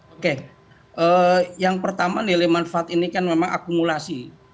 oke yang pertama nilai manfaat ini kan memang akumulasi